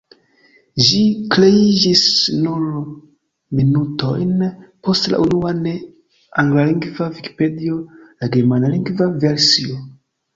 Ĝi kreiĝis nur minutojn post la unua ne-anglalingva vikipedio, la germanlingva versio.